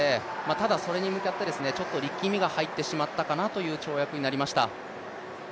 ただそれに向かってちょっと力みが入ってしまったかなという跳躍になりました。